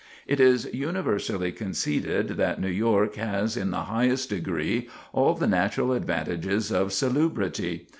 It is universally conceded that New York has in the highest degree all the natural advantages of salubrity.